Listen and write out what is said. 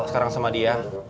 sekarang sama dia